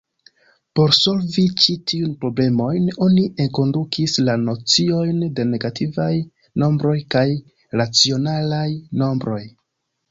Por solvi ĉi-tiujn problemojn oni enkondukis la nociojn de negativaj nombroj kaj racionalaj nombroj.